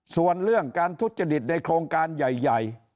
ส่วนเรื่องการทุจริตในโครงการใหญ่